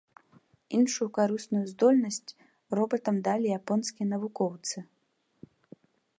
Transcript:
Іншую карысную здольнасць робатам далі японскія навукоўцы.